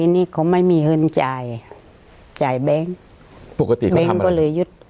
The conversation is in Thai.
เงินจ่ายจ่ายแบงค์ปกติเขาทำอะไร